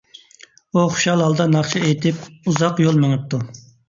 ئۇ خۇشال ھالدا ناخشا ئېيتىپ، ئۇزاق يول مېڭىپتۇ.